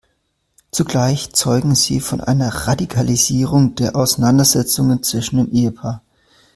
Zugleich zeugen sie von einer Radikalisierung der Auseinandersetzungen zwischen dem Ehepaar.